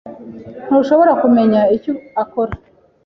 Ntushobora kumenya icyo akora?